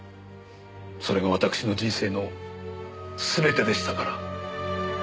それが私の人生のすべてでしたから。